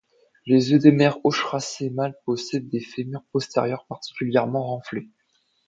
Les œdémères ochracés mâles possèdent des fémurs postérieurs particulièrement renflés.